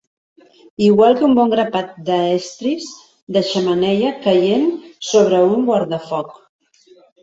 Igual que un bon grapat de estris de xemeneia caient sobre un guardafoc.